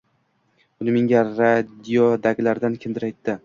Buni menga radiodagilardan kimdir aytdi